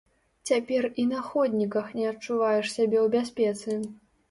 Цяпер і на ходніках не адчуваеш сябе ў бяспецы.